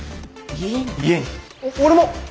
俺も！